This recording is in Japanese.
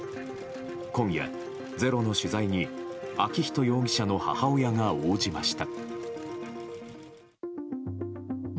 今夜、「ｚｅｒｏ」の取材に昭仁容疑者の母親が応じました。